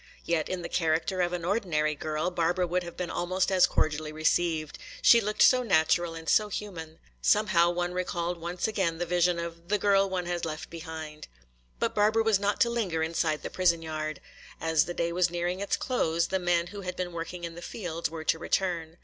Yet in the character of an ordinary girl Barbara would have been almost as cordially received. She looked so natural and so human. Somehow one recalled once again the vision of "the girl one had left behind." But Barbara was not to linger inside the prison yard. As the day was nearing its close the men who had been working in the fields were to return.